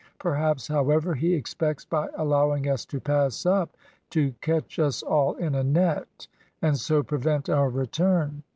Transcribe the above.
"Perhaps, however, he expects by allowing us to pass up, to catch us all in a net, and so prevent our return.